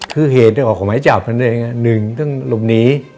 คือเหตุออกหมายจับนั่นเอง๑ต้องหลบหนี